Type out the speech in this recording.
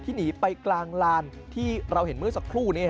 หนีไปกลางลานที่เราเห็นเมื่อสักครู่